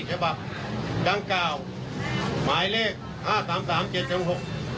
ฉบับดังกล่าวหมายเลขห้าสามสามเจ็ดถึงหก